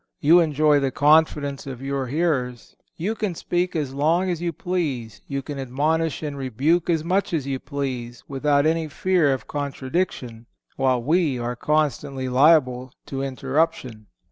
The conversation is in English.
You enjoy the confidence of your hearers. You can speak as long as you please, you can admonish and rebuke as much as you please, without any fear of contradiction; while we are constantly liable to interruption."